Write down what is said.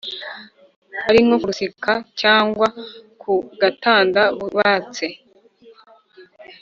ari nko ku rusika cyangwa ku gatanda bubatse